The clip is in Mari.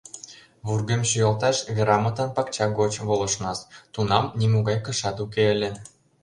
«Вургем шӱялташ Верамытын пакча гоч волышнас, тунам нимогай кышат уке ыле.